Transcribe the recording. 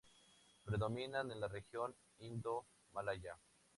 Predominan en la región Indo-Malaya.